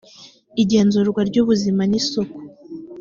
igenzurwa ry ubuzima n isuku